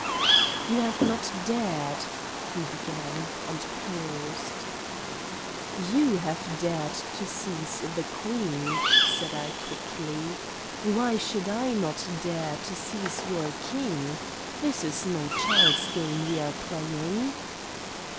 "You have not dared " he began, and paused. "You have dared to seize the Queen," said I quickly. "Why should I not dare to seize your King? This is no child's game we are playing."